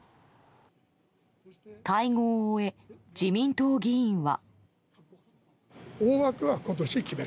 会合を終え、自民党議員は。